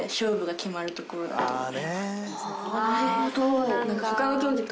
あなるほど。